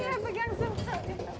iya pegang semua